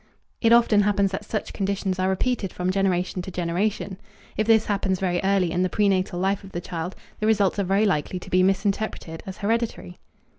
It often happens that such conditions are repeated from generation to generation. If this happens very early in the pre natal life of the child, the results are very likely to be misinterpreted as hereditary.